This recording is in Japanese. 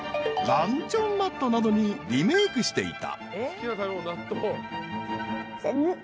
［ランチョンマットなどにリメークしていた］